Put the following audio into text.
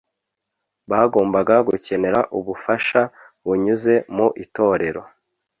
bagombaga gukenera ubufasha bunyuze mu Itorero.